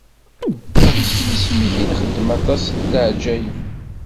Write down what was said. Mačči s yisem-ik i nexdem aṭas n leɛǧayeb?